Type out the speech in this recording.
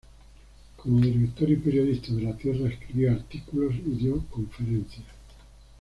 Como director y periodista de "La Tierra" escribió artículos y dio conferencias.